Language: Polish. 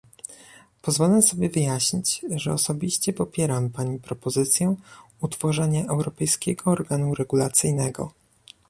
Pozwolę sobie wyjaśnić, że osobiście popieram pani propozycję utworzenia europejskiego organu regulacyjnego